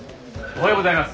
おはようございます。